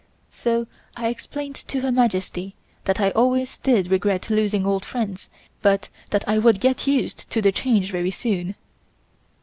So I explained to Her Majesty that I always did regret losing old friends but that I would get used to the change very soon.